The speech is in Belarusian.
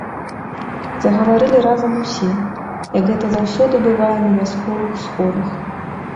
Загаварылі разам усе, як гэта заўсёды бывае на вясковых сходах.